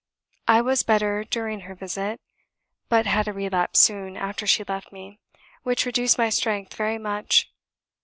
I was better during her visit, but had a relapse soon after she left me, which reduced my strength very much.